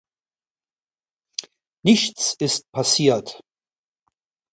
Nichts ist passiert!